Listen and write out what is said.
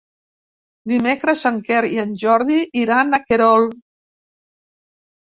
Dimecres en Quer i en Jordi iran a Querol.